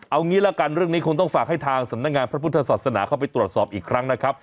เอางี้ละกันเรื่องนี้คงต้องฝากให้ทางสำนักงานพระพุทธศาสนาเข้าไปตรวจสอบอีกครั้งนะครับ